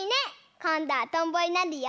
こんどはとんぼになるよ。